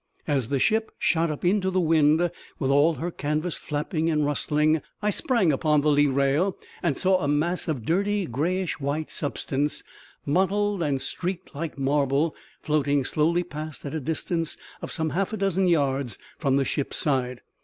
As the ship shot up into the wind, with all her canvas flapping and rustling, I sprang upon the lee rail, and saw a mass of dirty greyish white substance, mottled and streaked like marble, floating slowly past at a distance of some half a dozen yards from the ship's side.